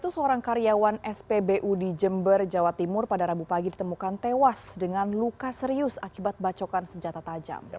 seorang karyawan spbu di jember jawa timur pada rabu pagi ditemukan tewas dengan luka serius akibat bacokan senjata tajam